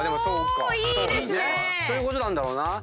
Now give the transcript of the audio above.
そういうことなんだろうな。